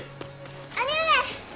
兄上！